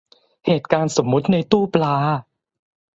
เหตุการณ์สมมติในตู้ปลา